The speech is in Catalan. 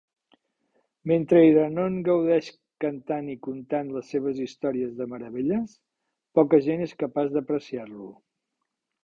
Mentre Iranon gaudeix cantant i contant les seves històries de meravelles, poca gent és capaç d'apreciar-lo.